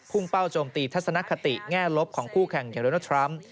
พุ่งเป้าโจมตีทัศนคติแง่ลบของคู่แข่งเยอร์โนทรัมป์